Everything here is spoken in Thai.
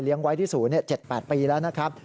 ไว้ที่ศูนย์๗๘ปีแล้วนะครับ